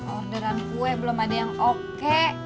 orderan kue belum ada yang oke